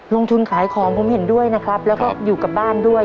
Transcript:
ลงทุนขายของผมเห็นด้วยนะครับแล้วก็อยู่กับบ้านด้วย